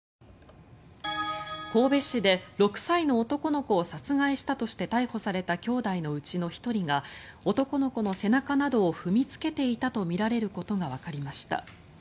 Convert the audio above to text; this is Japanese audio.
神戸市で６歳の男の子を殺害したとして逮捕されたきょうだいのうちの１人が男の子の背中などを踏みつけていたとみられることがわかりました。